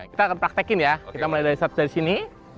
kita akan praktekin ya kita mulai dari sini